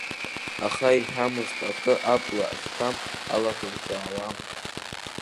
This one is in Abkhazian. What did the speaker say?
Аха иҳәамызт акы абла ахьҭам алаӷырӡ аауам.